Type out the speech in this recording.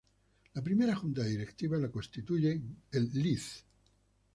La primera junta directiva la constituyen el Lic.